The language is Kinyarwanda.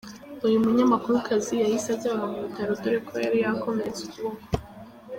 Uyu munyamakurukazi yahise ajyanwa mu bitaro dore ko yari yakomeretse ukuboko.